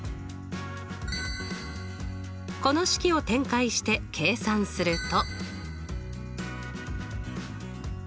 この式を展開して計算すると。